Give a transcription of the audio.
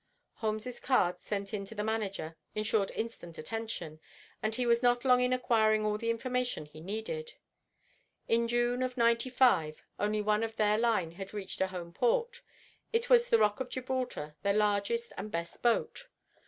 Holmes's card sent in to the manager ensured instant attention, and he was not long in acquiring all the information which he needed. In June of '95 only one of their line had reached a home port. It was the ROCK OF GIBRALTAR, their largest and best boat.